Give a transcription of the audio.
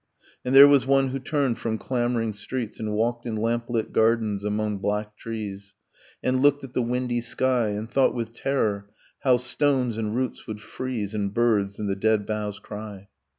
And there was one who turned from clamoring streets, And walked in lamplit gardens among black trees, And looked at the windy sky, And thought with terror how stones and roots would freeze And birds in the dead boughs cry